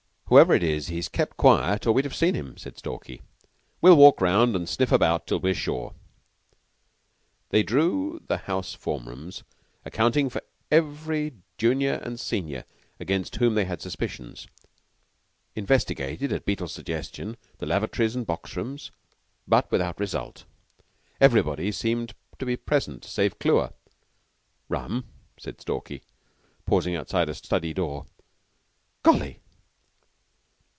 Whoever it is he's kept quiet or we'd have seen him," said Stalky. "We'll walk round and sniff about till we're sure." They drew the house form rooms, accounting for every junior and senior against whom they had suspicions; investigated, at Beetle's suggestion, the lavatories and box rooms, but without result. Everybody seemed to be present save Clewer. "Rum!" said Stalky, pausing outside a study door. "Golly!"